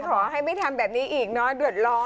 ขอ่ะให้ไม่ทำแบบนี้อีกนะดเวิลล้อน